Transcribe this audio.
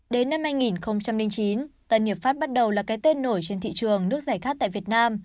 đến năm hai nghìn chín tân hiệp pháp bắt đầu là cái tên nổi trên thị trường nước giải khát tại việt nam